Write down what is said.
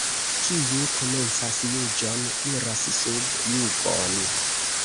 Kiu komencas juĝon, iras sub jugon.